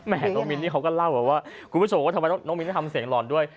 แหมน้องมินนี่เขาก็เล่าแบบว่าคุณผู้ชมบอกว่าทำไมน้องมินนี่ทำเสียงหลอนด้วย